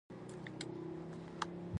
هر يوه به په ټيټ غږ ويل.